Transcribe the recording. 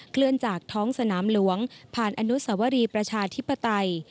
เคลื่อนจากท้องสนามหลวงผ่านอนุสวรีประชาธิปไตย